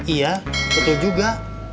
iya betul juga